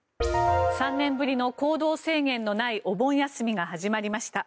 ３年ぶりの行動制限のないお盆休みが始まりました。